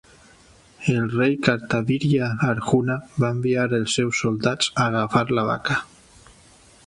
El rei Kartavirya Arjuna va enviar els seus soldats a agafar la vaca.